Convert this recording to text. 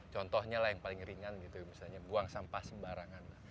contohnya yang paling ringan misalnya buang sampah sebarangan